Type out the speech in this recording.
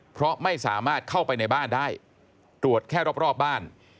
เพราะไม่สามารถเข้าไปในบ้านได้ตรวจแค่รอบบ้าน